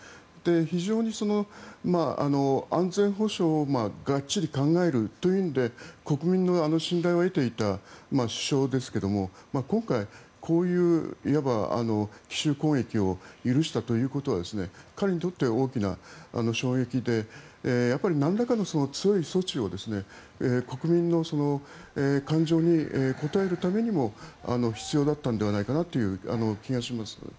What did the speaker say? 非常に安全保障をがっちり考えるというので国民の信頼を得ていた首相ですけども今回、こういう奇襲攻撃を許したということは彼にとって大きな衝撃で何らかの強い措置が国民の感情に応えるためにも必要だったのではないかなという気がします。